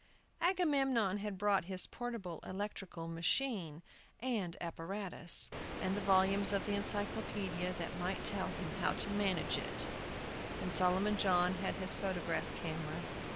Agamemnon had brought his Portable Electrical Machine and Apparatus, and the volumes of the Encyclopædia that might tell him how to manage it, and Solomon John had his photograph camera.